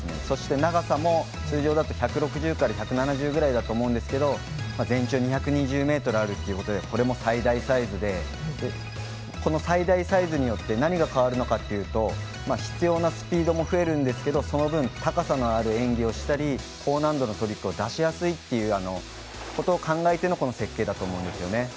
そして、長さも通常だと１６０から１７０ぐらいだと思うんですが全長２２０ｍあるのでこれも最大サイズでこの最大サイズによって何が変わるのかというと必要なスピードも増えるんですがその分、高さのある演技をしたり高難度のトリックを出しやすいということを考えての設計だと思うんですね。